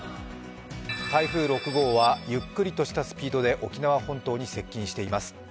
台風６号はゆっくりとしたスピードで沖縄本島へ進んでいます。